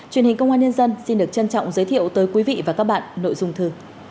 truyền hình công an nhân dân xin được trân trọng giới thiệu tới quý vị và các bạn nội dung thư